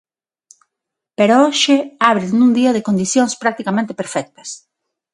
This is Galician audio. Pero hoxe abre nun día de condicións practicamente perfectas.